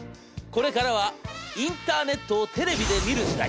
これからはインターネットをテレビで見る時代！